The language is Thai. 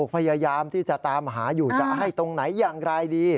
พยายามที่จะตามหาอยู่จะให้ตรงไหนอย่างไรดี